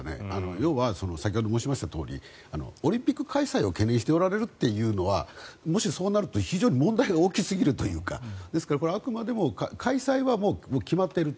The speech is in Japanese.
要は先ほど申しましたとおりオリンピック開催を懸念しておられるというのはもしそうなると問題が非常に大きすぎるというかですから、あくまでも開催は決まっていると。